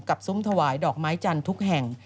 ซุ้มถวายดอกไม้จันทร์ทุกแห่ง